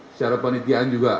secara penitian juga